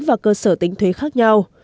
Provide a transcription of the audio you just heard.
và cơ sở tính thuế khác nhau